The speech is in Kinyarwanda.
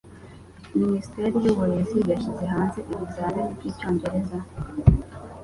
Minisiteri y'Uburezi yashyize hanze ibizamini by'Icyongereza